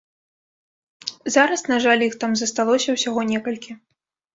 Зараз, на жаль, іх там засталося ўсяго некалькі.